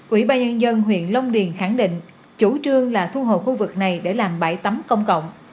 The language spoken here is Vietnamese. ủy ban nhân dân huyện long điền khẳng định chủ trương là thu hồi khu vực này để làm bãi tắm công cộng